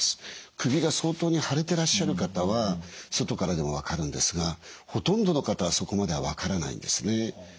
首が相当に腫れてらっしゃる方は外からでも分かるんですがほとんどの方はそこまでは分からないんですね。